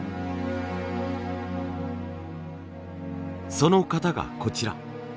その型がこちら。